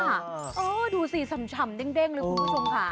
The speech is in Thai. เออดูสีสำฉ่ำเด้งเลยคุณผู้ชมขา